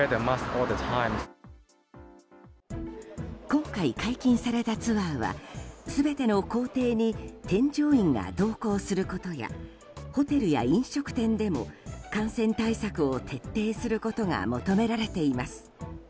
今回解禁されたツアーは全ての行程に添乗員が同行することやホテルや飲食店でも感染対策を徹底することが求められています。